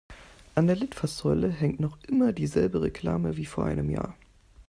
An der Litfaßsäule hängt noch immer dieselbe Reklame wie vor einem Jahr.